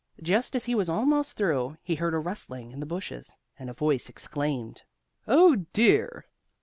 Just as he was almost through, he heard a rustling in the bushes, and a voice exclaimed: "Oh, dear!"